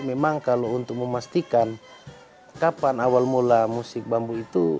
memang kalau untuk memastikan kapan awal mula musik bambu itu